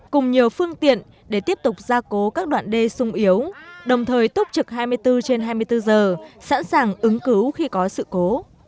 cùng nhiều phương tiện để tiếp tục ra cố các đoạn đê sung yếu đồng thời túc trực hai mươi bốn trên hai mươi bốn giờ sẵn sàng ứng cứu khi có sự cố